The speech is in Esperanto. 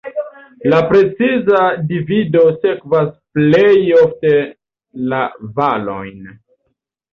La preciza divido sekvas plej ofte la valojn.